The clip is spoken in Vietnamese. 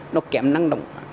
nó kém năng động